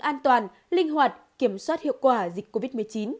an toàn linh hoạt kiểm soát hiệu quả dịch covid một mươi chín